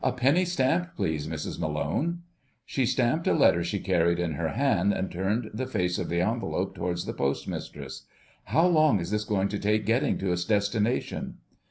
"A penny stamp, please, Mrs Malone." She stamped a letter she carried in her hand, and turned the face of the envelope towards the Postmistress. "How long is this going to take getting to its destination?"